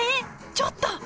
ちょっと！